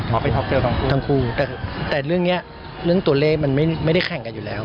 ท็อปเซลล์ทั้งครูทั้งครูแต่เรื่องนี้เรื่องตัวเลขมันไม่ได้แข่งกันอยู่แล้ว